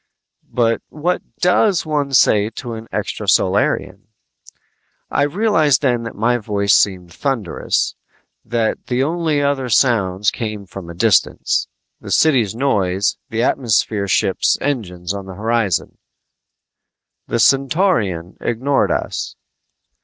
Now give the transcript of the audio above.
but what does one say to an extrasolarian? I realized then that my voice seemed thunderous, that the only other sounds came from a distance: the city's noise, the atmosphere ships' engines on the horizon The Centaurian ignored us.